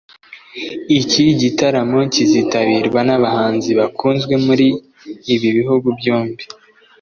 Iki gitaramo kizitabirwa n’abahanzi bakunzwe muri ibi bihugu byombi